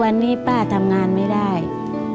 ไม่ได้เข้าใจกลับมาโดยผิด